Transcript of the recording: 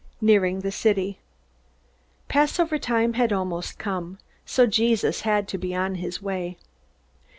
Nearing the City Passover time had almost come, so Jesus had to be on his way.